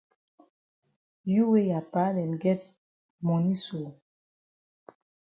You wey ya papa dem get moni so!